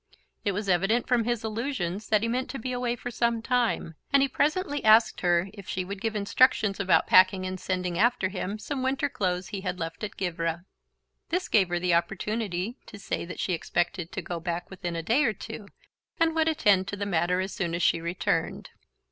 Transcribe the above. It was evident from his allusions that he meant to be away for some time, and he presently asked her if she would give instructions about packing and sending after him some winter clothes he had left at Givre. This gave her the opportunity to say that she expected to go back within a day or two and would attend to the matter as soon as she returned.